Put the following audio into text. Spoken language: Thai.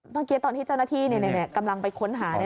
เมื่อกี้ตอนที่เจ้านัทธีเนี่ยกำลังไปค้นหาเนี่ยนะคะ